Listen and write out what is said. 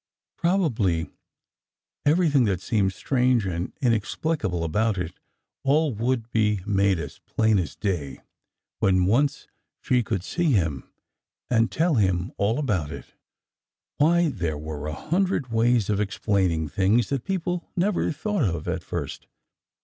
Probably everything that seemed strange and inexplicable about it all would be made as plain as day when once she could see him and tell him all about it. Why, there were a hundred ways of explaining things that people never thought of at first!